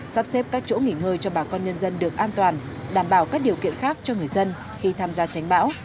sắp xếp các chỗ nghỉ ngơi cho bà con nhân dân được an toàn đảm bảo các điều kiện khác cho người dân khi tham gia tránh bão